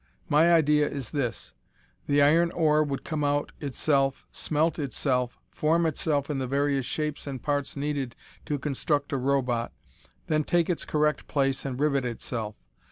My idea is this: the iron ore would come out itself, smelt itself, form itself in the various shapes and parts needed to construct a robot, then take its correct place and rivet itself.